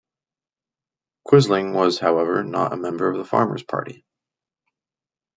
Quisling was however not a member of the Farmers Party.